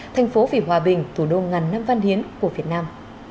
thành phố vì hòa bình thủ đô ngàn năm văn hiến của việt nam